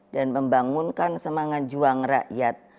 dan membangunkan semangat juang rakyat